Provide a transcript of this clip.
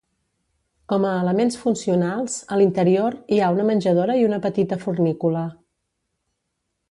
Com a elements funcionals, a l'interior, hi ha una menjadora i una petita fornícula.